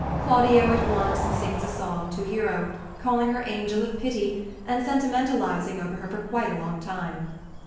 Claudio at once sings a song to Hero, calling her angel of pity, and sentimentalising over her for quite a long time.